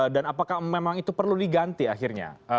dan apakah memang itu perlu diganti akhirnya